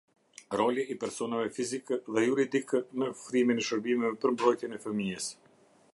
Roli i personave fizikë dhe juridikë në ofrimin e shërbimeve për mbrojtjen e fëmijës.